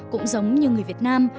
cũng giống như người việt nam